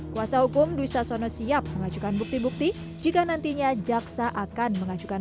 kuasa hukum dwi sasono siap mengajukan bukti bukti jika nantinya jaksa akan mengajukan